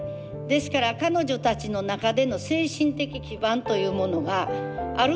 ですから彼女たちの中での精神的基盤というものがあるのかないのか。